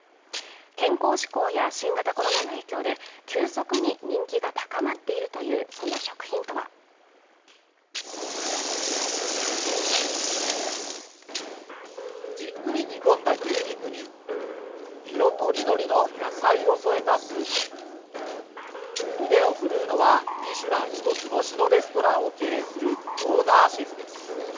健康志向や新型コロナの影響で急速に人気が高まっているという、その食品とはじっくり煮込んだ牛肉に色とりどりの野菜を添えたスープ腕を振るうのは、ミシュラン一つ星のレストランを経営するオーナーシェフです。